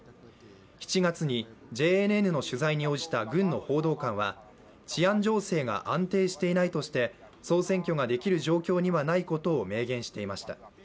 ７月にＪＮＮの取材に応じた軍の報道官は治安情勢が安定していないとして総選挙ができる状況にはないことを明言していました。